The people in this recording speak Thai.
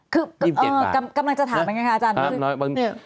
คือกำลังจะถามยังไงค่ะอาจารย์